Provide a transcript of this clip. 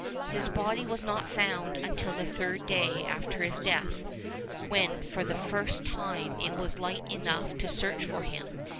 His body was not found until the third day after his death, when for the first time it was light enough to search for him.